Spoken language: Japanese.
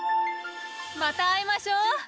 また会いましょう。